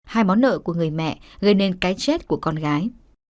hai món nợ của người mẹ gây nên cái chết của con gái